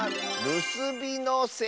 るすびのせ？